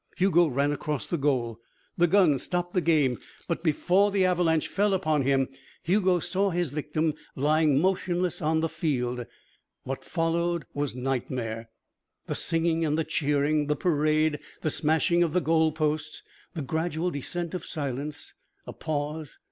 Hugo ran across the goal. The gun stopped the game. But, before the avalanche fell upon him, Hugo saw his victim lying motionless on the field. What followed was nightmare. The singing and the cheering. The parade. The smashing of the goal posts. The gradual descent of silence. A pause.